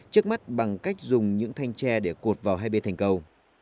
trước mắt bằng cách dùng những thanh tre để cột vào hai bên thành cầu